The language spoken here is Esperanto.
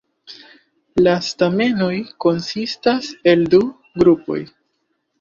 La stamenoj konsistas el du grupoj.